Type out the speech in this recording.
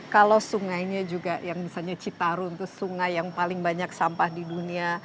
kalau sungainya juga yang misalnya citarum itu sungai yang paling banyak sampah di dunia